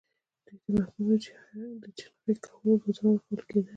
دوی ته د محکوم د چخڼي کولو روزنه ورکول کېده.